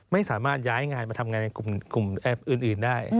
ไม่สามารถย้ายงานมาทำงานในกลุ่มอื่นได้